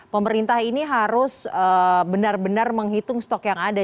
pemerintah ini harus benar benar menghitung stok yang ada